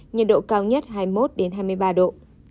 nhiệt độ cao nhất hai mươi một hai mươi ba độ